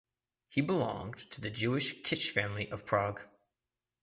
He belonged to the Jewish Kisch family of Prague.